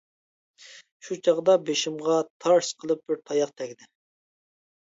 شۇ چاغدا بېشىمغا تارس قىلىپ بىر تاياق تەگدى.